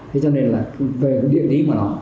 thế cho nên là về địa lý mà nó